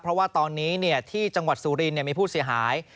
เพราะว่าตอนนี้เนี่ยที่จังหวัดสูรีนมีผู้เสียหาย